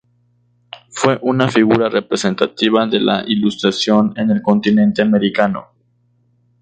Fue una figura representativa de la ilustración en el continente americano.